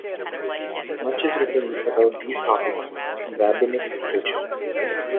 Much is written about these topics in rabbinic literature.